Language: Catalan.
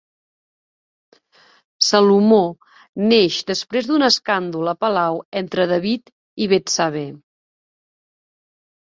Salomó neix després d'un escàndol a palau entre David i Betsabé.